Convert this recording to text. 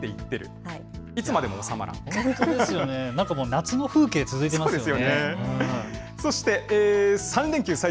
夏の風景が続いていますよね。